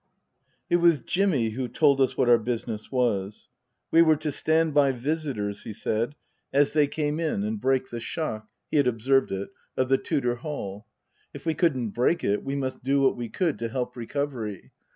It was Jimmy who told us what our business was. We were to stand by visitors, he said, as they came in and Book II : Her Book 193 break the shock (he had observed it) of the Tudor hall. If we couldn't break it we must do what we could to help recovery.